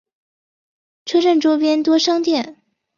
车站周边多商店。